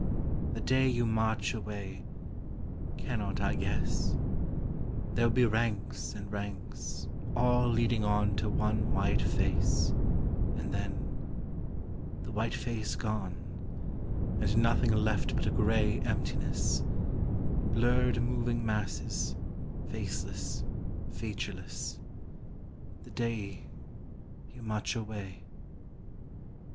The day you march away cannot I guess? There will be ranks and ranks, all leading on To one white face, and then the white face gone, And nothing left but a gray emptiness Blurred moving masses, faceless, featureless The day you march away.